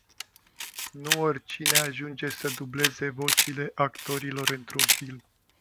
Nu oricine ajunge să dubleze vocile actorilor într-un film.